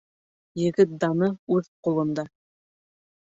Егет даны үҙ ҡулында.